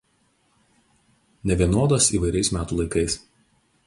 Nevienodas įvairiais metų laikais.